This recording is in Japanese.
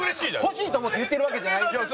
欲しいと思って言ってるわけじゃないよ。